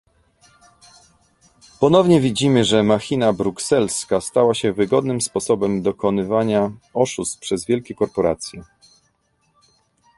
Ponownie widzimy, że machina brukselska stała się wygodnym sposobem dokonywania oszustw przez wielkie korporacje